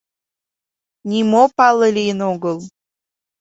Нимо пале лийын огыл.